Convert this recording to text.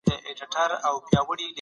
تاسي خپل استدلال په منطق سره وړاندې کړئ.